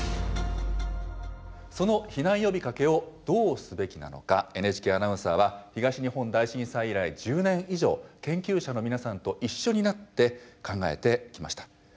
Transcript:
その避難呼びかけをどうすべきなのかＮＨＫアナウンサーは東日本大震災以来１０年以上研究者の皆さんと一緒になって考えてきました。